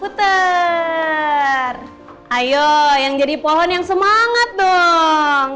puter ayo yang jadi pohon yang semangat dong